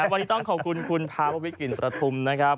วันนี้ต้องขอบคุณคุณภาววิกลิ่นประทุมนะครับ